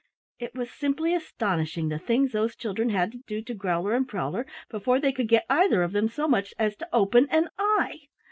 It was simply astonishing the things those children had to do to Growler and Prowler before they could get either of them so much as to open an eye!